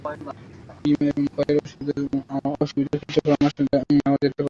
বীমা এবং করের অসুবিধার ক্ষেত্রেও পরামর্শ নেওয়া যেতে পারে।